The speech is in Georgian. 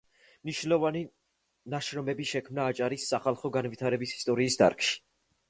მნიშვნელოვანი ნაშრომები შექმნა აჭარის სახალხო განათლების ისტორიის დარგში.